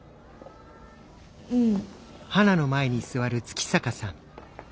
うん。